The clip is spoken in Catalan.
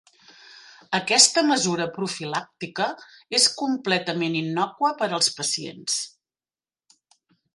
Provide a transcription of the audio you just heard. Aquesta mesura profilàctica és completament innòcua per als pacients.